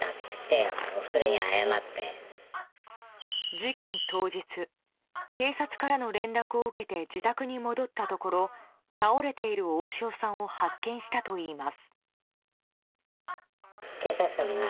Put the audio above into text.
事件当日警察からの連絡を受けて自宅に戻ったところ倒れている大塩さんを発見したといいます。